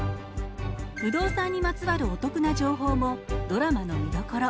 不動産にまつわるお得な情報もドラマの見どころ。